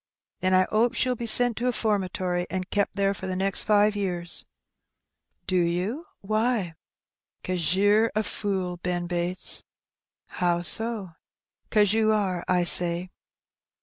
^" Then I 'opes ye'U be sent to a 'fbrmatory an' kep' there for the next five year." Do you? Why?" 'Cause yer a fool, Ben Bates." "How so?" '"Cause ye are, I say."